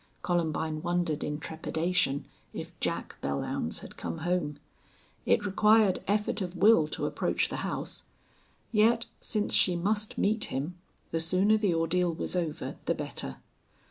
Columbine wondered in trepidation if Jack Belllounds had come home. It required effort of will to approach the house. Yet since she must meet him, the sooner the ordeal was over the better.